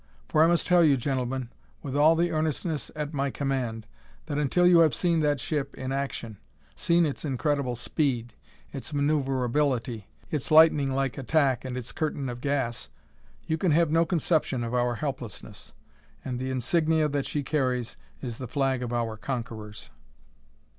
For I must tell you, gentlemen, with all the earnestness at my command, that until you have seen that ship in action, seen its incredible speed, its maneuverability, its lightning like attack and its curtain of gas, you can have no conception of our helplessness. And the insignia that she carries is the flag of our conquerors."